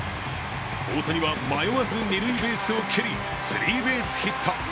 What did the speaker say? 大谷は迷わず二塁ベースを蹴り、スリーベースヒット。